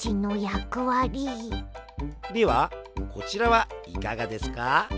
ではこちらはいかがですか？